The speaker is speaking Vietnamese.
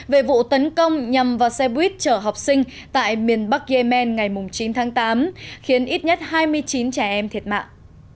về vụ tấn công nhằm vào xe buýt chở học sinh tại miền bắc yemen ngày chín tháng tám khiến ít nhất hai mươi chín trẻ em thiệt mạng